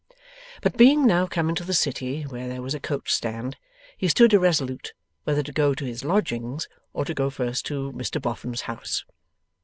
But being now come into the City, where there was a coach stand, he stood irresolute whether to go to his lodgings, or to go first to Mr Boffin's house.